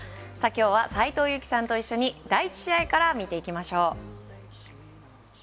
きょうは斎藤佑樹さんと一緒に第１試合から見ていきましょう。